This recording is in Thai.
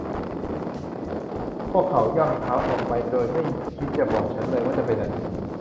พวกเขาย่ำเท้าออกไปโดยไม่คิดจะบอกฉันเลยว่าจะไปไหน